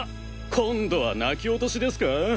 今度は泣き落としですか？